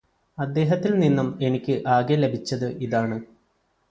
അദ്ദേഹത്തില് നിന്നും എനിക്ക് ആകെ ലഭിച്ചത് ഇതാണ്